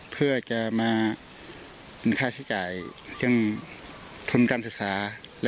เพื่อจะมา